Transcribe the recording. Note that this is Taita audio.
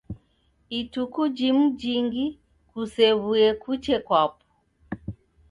Ituku jimuJingi kusew'uye kuche kwapo.